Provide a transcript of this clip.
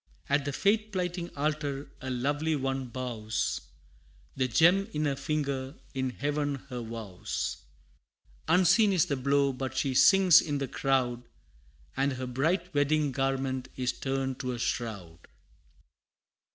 At the faith plighting altar, a lovely one bows, The gem on her finger, in Heaven her vows; Unseen is the blow, but she sinks in the crowd, And her bright wedding garment is turned to a shroud!